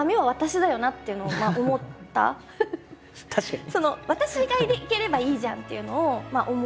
確かに。